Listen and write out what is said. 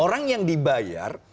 orang yang dibayar